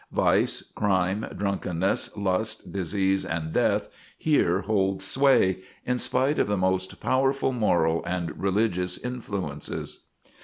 Vice, crime, drunkenness, lust, disease, and death, here hold sway, in spite of the most powerful moral and religious influences.